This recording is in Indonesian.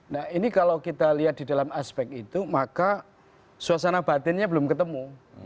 nah ini kalau kita lihat di dalam aspek itu maka suasana batinnya belum ketemu